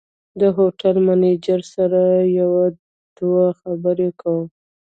د هوټل منیجر سره یو دوه خبرې کوم.